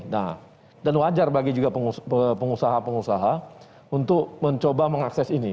nah dan wajar bagi juga pengusaha pengusaha untuk mencoba mengakses ini